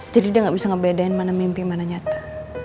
jadi dia gak bisa ngebedain mana mimpi mana nyata